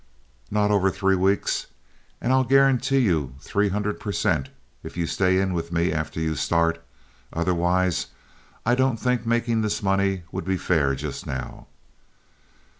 "Not over three weeks. And I'll guarantee you three hundred percent if you'll stay in with me after you start. Otherwise I don't think making this money would be fair just now."